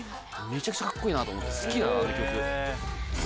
めちゃくちゃカッコいいなと思って好きなのあの曲。